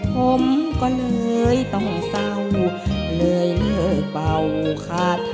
ผมก็เลยต้องเศร้าเลยเลิกเป่าคาถา